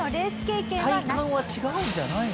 体感は違うんじゃないの？